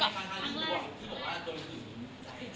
เขาขืนใจเรา